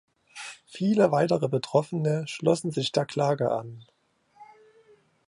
Viele weitere Betroffene schlossen sich der Klage an.